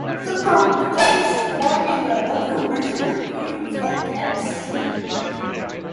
The precise formulae of commercial perfumes are kept secret.